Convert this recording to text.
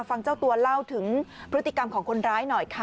ฟังเจ้าตัวเล่าถึงพฤติกรรมของคนร้ายหน่อยค่ะ